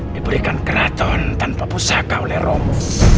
diberikan keraton tanpa pusaka oleh romo